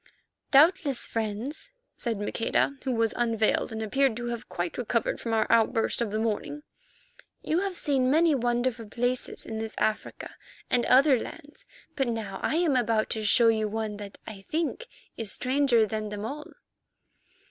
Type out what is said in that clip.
"Doubtless, friends," said Maqueda, who was unveiled and appeared to have quite recovered from our outburst of the morning, "you have seen many wonderful places in this Africa and other lands, but now I am about to show you one that, I think, is stranger than them all."